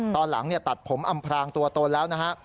ตอนหลังตัดผมอำพรางตัวตนแล้วนะฮะ